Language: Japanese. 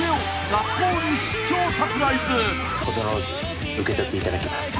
このローズ受け取っていただけますか？